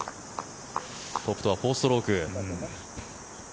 トップとは４ストローク。